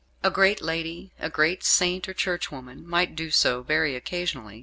A great lady, a great Saint or church woman, might do so very occasionally.